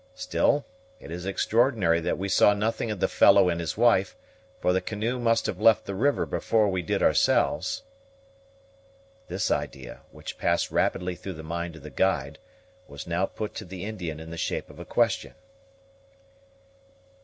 Still, it is extraordinary that we saw nothing of the fellow and his wife, for the canoe must have left the river before we did ourselves." This idea, which passed rapidly through the mind of the guide, was now put to the Indian in the shape of a question.